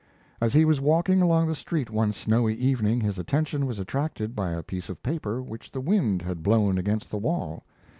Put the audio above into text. As he was walking along the street one snowy evening, his attention was attracted by a piece of paper which the wind had blown against the wall.